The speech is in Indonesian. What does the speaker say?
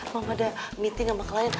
mama ada meeting sama klien